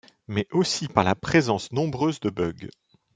Mais aussi par la présence nombreuse de bugs.